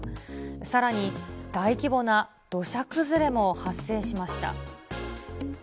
さらに大規模な土砂崩れも発生しました。